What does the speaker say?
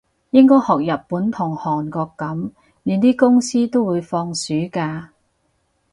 應該學日本同韓國噉，連啲公司都會放暑假